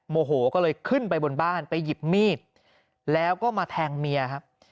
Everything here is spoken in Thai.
โมโหก็เลยขึ้นไปบนบ้านไปหยิบมีดแล้วก็มาแทงเมียครับ